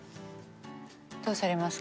どうされますか？